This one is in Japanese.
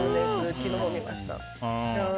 昨日も見ました。